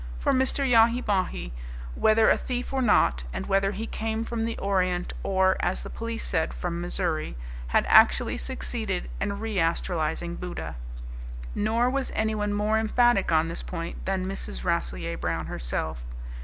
For Mr. Yahi Bahi, whether a thief or not, and whether he came from the Orient, or, as the police said, from Missouri, had actually succeeded in reastralizing Buddha. Nor was anyone more emphatic on this point than Mrs. Rasselyer Brown herself.